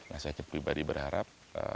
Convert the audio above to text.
nah saya pribadi berharap